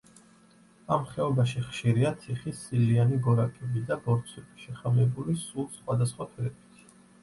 ამ ხეობაში ხშირია თიხის სილიანი გორაკები და ბორცვები, შეხამებული სულ სხვა და სხვა ფერებით.